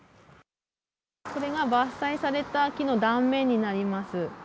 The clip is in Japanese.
これが伐採された木の断面になります。